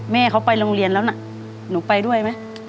แม่เขาไปโรงเรียนแล้วนะหนูไปด้วยไหม